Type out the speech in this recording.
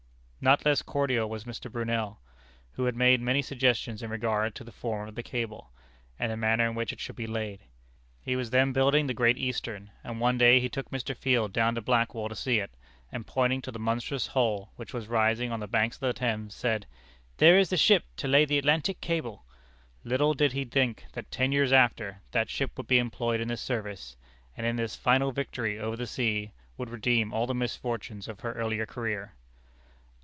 Not less cordial was Mr. Brunel, who made many suggestions in regard to the form of the cable, and the manner in which it should be laid. He was then building the Great Eastern; and one day he took Mr. Field down to Blackwall to see it, and, pointing to the monstrous hull which was rising on the banks of the Thames, said: "There is the ship to lay the Atlantic cable!" Little did he think that ten years after, that ship would be employed in this service; and in this final victory over the sea, would redeem all the misfortunes of her earlier career.